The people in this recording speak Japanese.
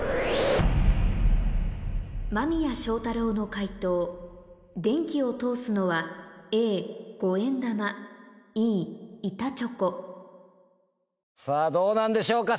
間宮祥太朗の解答電気を通すのはＡ五円玉Ｅ板チョコさぁどうなんでしょうか？